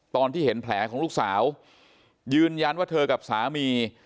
ตอนที่เห็นแผลของลูกสาวยืนยันว่าเธอกับสามี